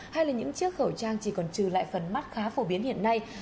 hay là những chiếc khẩu trang chỉ còn trừ lại phần mắt khá phổ biến hiện nay